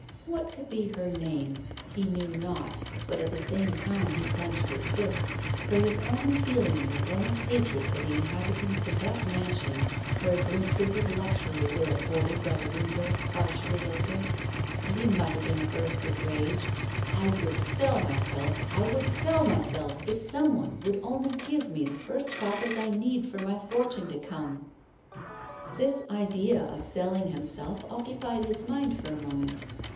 What could be her name ? He knew not. But at the same time he clenched his fists, for his only feel ing was one of hatred for the inhabitants of that man sion where glimpses of luxury were afforded by the windows partially open; and he muttered in a burst of rage : "I would sell myself, I would sell myself, if some one would only give me the first coppers I need for my for tune to come 1 " This idea of selling himself occupied his mind for a moment.